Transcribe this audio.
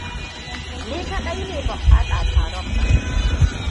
Ni kaɗai ne ban faɗa taron ba.